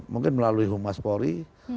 mungkin melalui humas polri